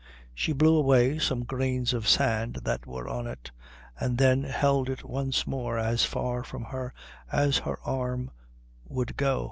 She blew away some grains of sand that were on it and then held it once more as far from her as her arm would go.